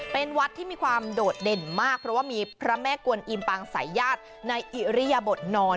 เป็นวัดที่มีความโดดเด่นมากเพราะว่ามีพระแม่กวนอิมปางสายญาติในอิริยบทนอน